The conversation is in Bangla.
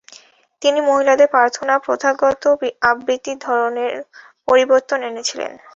তিনি মহিলাদের প্রার্থনার প্রথাগত আবৃত্তির ধরনের পরিবর্তন এনেছিলেন।